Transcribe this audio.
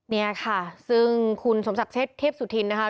นี่ค่ะซึ่งคุณสมศักดิ์เชษฐ์เทพสุธินตร์